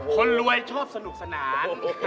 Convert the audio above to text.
คนรวยชอบสนุกสนาน